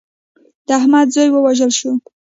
د احمد زوی ووژل شو.